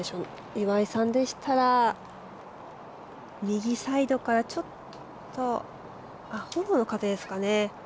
岩井さんでしたら右サイドからちょっとフォローの風ですかね？